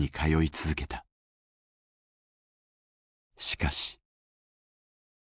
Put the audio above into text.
しかし。